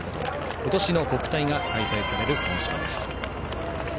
今年の国体が開催される鹿児島です。